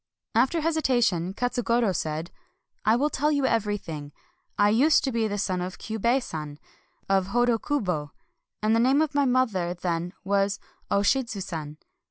After hesitation, Katsugoro said :— "I will tell you everything. I used to be the son of Kyiibei San of Hodokubo, and the name of my mother then was 0 Shidzu San.